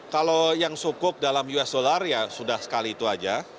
kalau yang cukup dalam us dollar ya sudah sekali itu aja